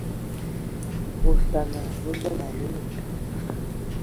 Otana, babǝla a ayǝlə.